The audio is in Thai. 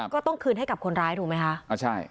ก็ต้องคืนให้กับคนร้ายถูกไหมคะ